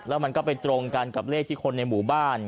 แล้วมันก็ไปตรงกันกับเลขที่คนในหมู่บ้าน